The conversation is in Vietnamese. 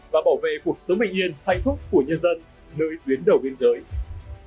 và bảo vệ cuộc sống bình yên hạnh phúc của nhân dân nơi tuyến đầu biên giới